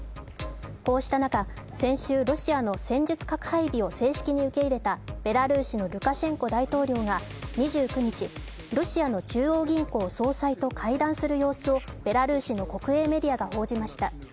こうした中、先週ロシアの戦術核配備を正式に受け入れたベラルーシのルカシェンコ大統領が２９日、ロシアの中央銀行総裁と会談する様子をベラルーシの国営メディアが報じました。